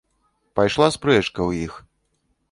Пайшла спрэчка ў іх.